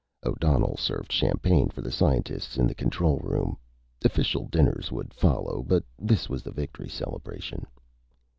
O'Donnell served champagne for the scientists in the control room. Official dinners would follow, but this was the victory celebration.